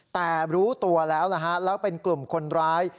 แต่รู้ตัวแล้วนะฮะแล้วเป็นกลุ่มคนร้าย